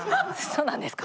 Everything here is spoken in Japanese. そうなんですか？